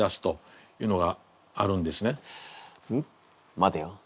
待てよ。